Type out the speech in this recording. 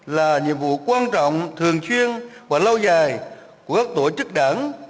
là nhiệm vụ quan trọng thường chuyên và lâu dài của các tổ chức đảng